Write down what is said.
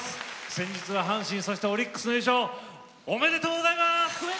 先日は阪神そしてオリックス優勝おめでとうございます。